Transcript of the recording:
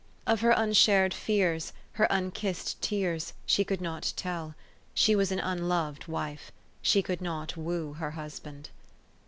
Of her unshared fears, her unkissed tears, she could not tell. She was an unloved wife. She could not woo her husband.